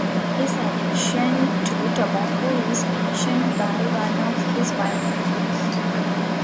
His addiction to tobacco is mentioned by one of his biographers.